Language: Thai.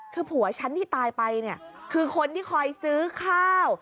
คือผัวฉันที่ตายไปเนี่ยคือคนที่คอยซื้อข้าว